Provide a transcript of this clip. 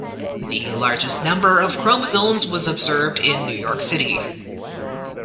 The largest number of chromosomes was observed in New York City.